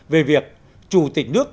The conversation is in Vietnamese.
về việc chủ tịch nước